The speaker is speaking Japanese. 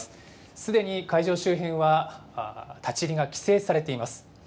すでに会場周辺は立ち入りが規制されています。